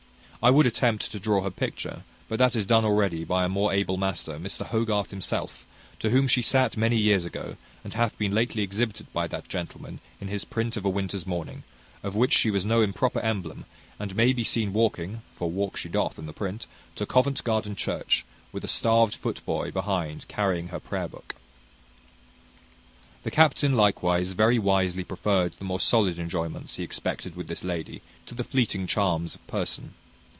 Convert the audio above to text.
I would attempt to draw her picture, but that is done already by a more able master, Mr Hogarth himself, to whom she sat many years ago, and hath been lately exhibited by that gentleman in his print of a winter's morning, of which she was no improper emblem, and may be seen walking (for walk she doth in the print) to Covent Garden church, with a starved foot boy behind carrying her prayer book. The captain likewise very wisely preferred the more solid enjoyments he expected with this lady, to the fleeting charms of person.